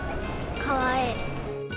かわいい。